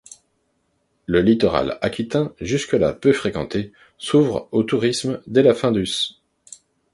Le littoral aquitain, jusque-là peu fréquenté, s'ouvre au tourisme dès la fin du s.